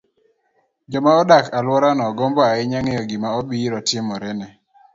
joma odak e alworano gombo ahinya ng'eyo gima biro timore ne